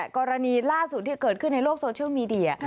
กรณีล่าสุดที่เกิดขึ้นในโลกโซเชียลมีเดีย